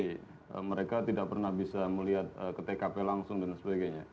jadi mereka tidak pernah bisa melihat ke tkp langsung dan sebagainya